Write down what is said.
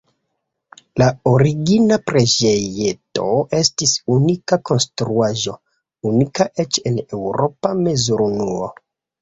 La origina preĝejeto estis unika konstruaĵo, unika eĉ en eŭropa mezurunuo.